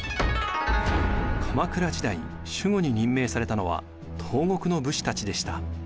鎌倉時代守護に任命されたのは東国の武士たちでした。